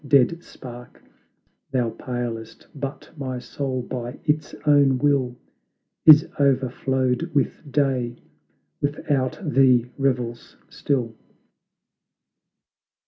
dead spark, Thou palest, but my soul by its own will, Is overflowed with day, without thee revels still.